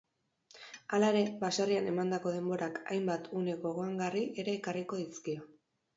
Hala ere, baserrian emandako denborak hainbat une gogoangarri ere ekarriko dizkio.